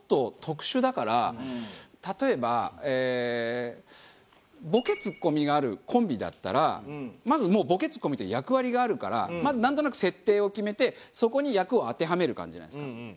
例えばえーボケツッコミがあるコンビだったらまずもうボケツッコミって役割があるからまずなんとなく設定を決めてそこに役を当てはめる感じじゃないですか。